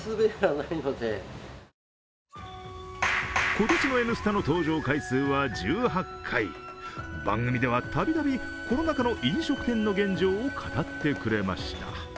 今年の「Ｎスタ」の登場回数は１８回番組では度々、コロナ禍の飲食店の現状を語ってくれました。